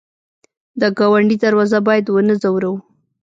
د ګاونډي دروازه باید ونه ځوروو